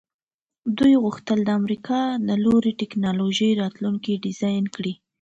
دوی غوښتل د امریکا د لوړې ټیکنالوژۍ راتلونکی ډیزاین کړي